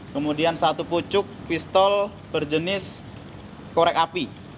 kemudian satu pucuk pistol berjenis korek api